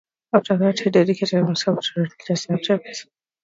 After that, he dedicated himself to religious subjects.